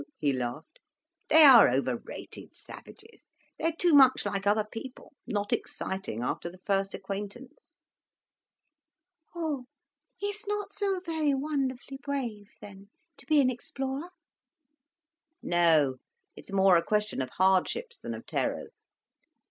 he laughed. "They are over rated, savages. They're too much like other people, not exciting, after the first acquaintance." "Oh, it's not so very wonderfully brave then, to be an explorer?" "No. It's more a question of hardships than of terrors."